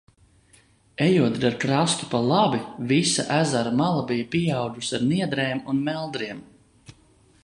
Ejot gar krastu pa labi, visa ezera mala bija pieaugusi ar niedrēm un meldriem.